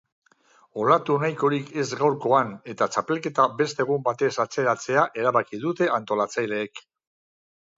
Olatu nahikorik ez gaurkoan eta txapelketa beste egun batez atzeratzea erabaki dute antolatzaileek.